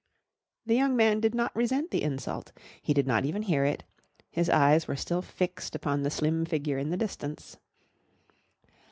The young man did not resent the insult. He did not even hear it. His eyes were still fixed upon the slim figure in the distance.